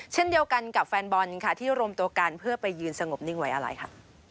เช่นเดียวกันกับแฟนบอลค่ะที่รวมตัวกันเพื่อไปยืนสงบนิ่งไว้อะไรค่ะ